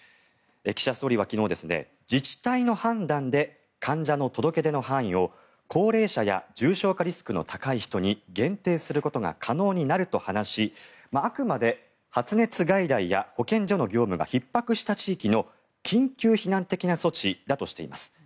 岸田総理は昨日自治体の判断で患者の届け出の範囲を高齢者や重症化リスクの高い人に限定することが可能になると話しあくまで発熱外来や保健所の業務がひっ迫した地域の緊急避難的な措置だとしています。